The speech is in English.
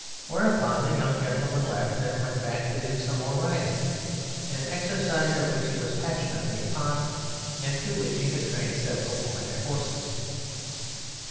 Whereupon the young gentleman left and went back to do some more riding, an exercise of which he was passionately fond, and to which he had trained several quiet horses.